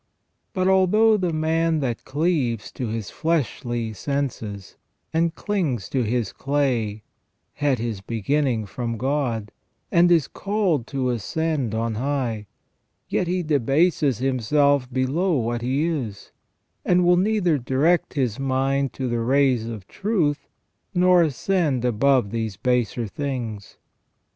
But although the man that cleaves to his fleshly senses and clings to his clay had his beginning from God, and is called to ascend on high, yet he debases himself below what he is, and will neither direct his mind to the rays of truth, nor ascend above these baser things.